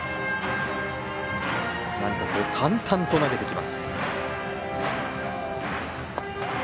何か淡々と投げてきます。